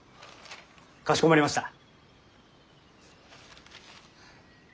かしこまりました。